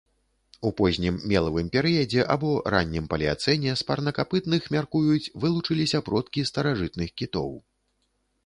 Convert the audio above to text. У познім мелавым перыядзе або раннім палеацэне з парнакапытных, мяркуюць, вылучыліся продкі старажытных кітоў.